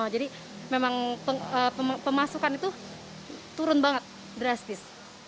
jadi memang pemasukan itu turun banget drastis